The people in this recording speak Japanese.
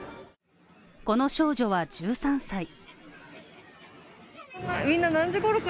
この少女は１３歳。